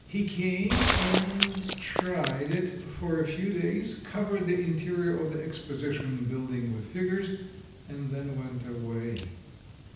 He came and tried it for a few days, covered the interior of the Exposition Building with figures and then went away.